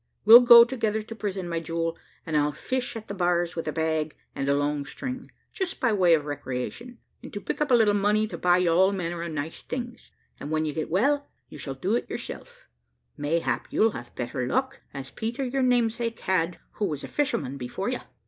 We'll go together to prison, my jewel, and I'll fish at the bars with a bag and a long string, just by way of recreation, and to pick up a little money to buy you all manner of nice things; and when you get well, you shall do it yourself mayhap you'll have better luck, as Peter your namesake had, who was a fisherman before you.